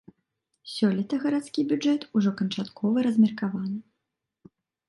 Сёлета гарадскі бюджэт ужо канчаткова размеркаваны.